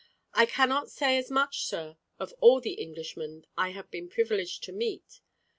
I cannot say as much, sir, of all the Englishmen I have been privileged to meet.